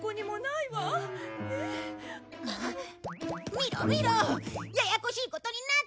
見ろ見ろややこしいことになった！